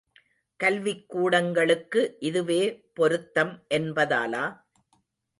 கல்விக்கூடங்களுக்கு இதுவே பொருத்தம் என்பதாலா?